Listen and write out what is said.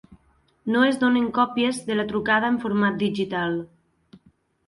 No es donen còpies de la trucada en format digital.